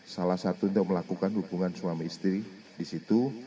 salah satu untuk melakukan hubungan suami istri di situ